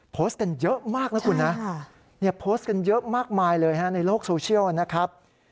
โพสต์กันเยอะมากนะคุณนะโพสต์กันเยอะมากมายเลยฮะในโลกโซเชียลนะครับ